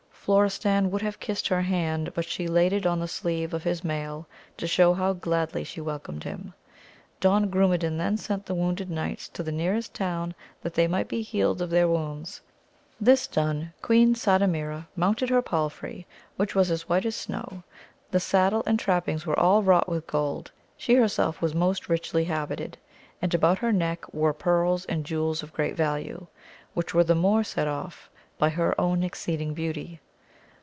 Florestan would have kissed her hand, but she laid it on the sleeve of his mail, to show how gladly she welcomed him. Don Grumedan then sent the wounded knights to the nearest town that they might be healed of their wounds ; this done Queen Sardamira mounted her pal frey, which was as white as snow, the saddle and trap pings were all wrought with gold, she herself "was most richly habited, and about her neck were pearls and jewels of great value, which were the more set off by her own exceeding beauty.